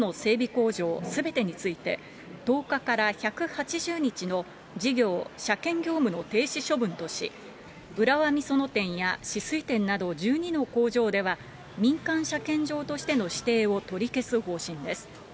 工場すべてについて、１０日から１８０日の事業・車検業務の停止処分とし、浦和美園店や酒々井店など１２の工場では、民間車検場としての指定を取り消す方針です。